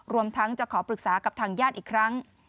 รวมทั้งจะขอปรึกษากับทางญาติอีกครั้ง